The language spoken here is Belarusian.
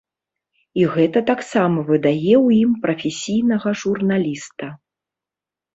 І гэта таксама выдае ў ім прафесійнага журналіста.